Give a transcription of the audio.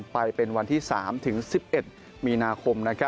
ไปเป็นวันที่๓ถึง๑๑มีนาคม